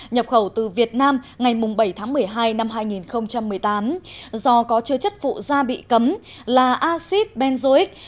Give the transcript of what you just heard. nhập khẩu từ việt nam ngày bảy tháng một mươi hai năm hai nghìn một mươi tám do có chứa chất phụ da bị cấm là acid benzoic